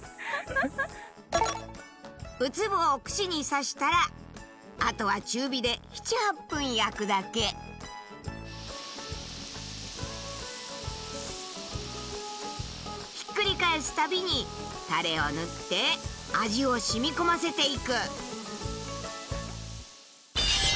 ウツボを串に刺したらあとはひっくり返す度にタレを塗って味を染み込ませていく。